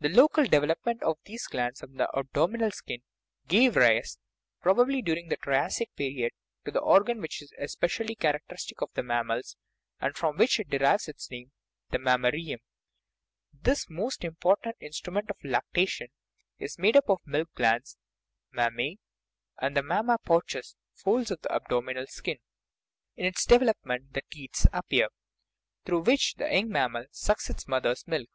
A local develop ment of these glands on the abdominal skin gave rise (probably during the Triassic period) to the organ which is especially characteristic of the class, and from which it derives its name the mammarium. This important instrument of lactation is made up of milk glands (mammae) and the " mammar pouches " (folds of the abdominal skin) ; in its development the teats appear, through which the young mammal sucks its mother's milk.